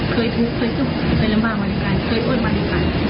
เคยทุกข์เคยสู้ลำบากมากกว่ากัน